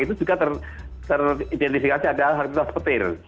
itu juga teridentifikasi ada harpis petir